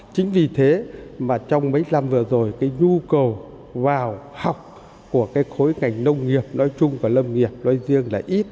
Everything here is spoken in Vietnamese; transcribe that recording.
chính vì thế mà trong mấy năm vừa rồi cái nhu cầu vào học của cái khối ngành nông nghiệp nói chung và lâm nghiệp nói riêng là ít